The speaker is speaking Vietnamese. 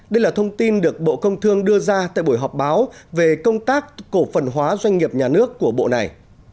đây là thông tin được bộ công thương đưa ra tại buổi họp báo về công tác cổ phần hóa doanh nghiệp nhà nước của bộ này